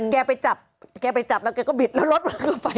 แกไปจับแล้วแกก็บิดแล้วรถขึ้นไป